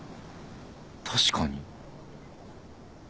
確かに。